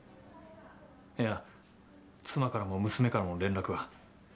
いや妻からも娘からも連絡は。